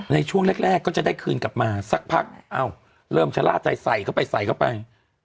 ในช่วงแรกก็จะได้คืนกลับมาสักพักเริ่มชะล่าใจใส่เข้าไปใส่เข้าไป